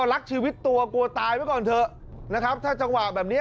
รักชีวิตตัวกลัวตายไว้ก่อนเถอะนะครับถ้าจังหวะแบบเนี้ย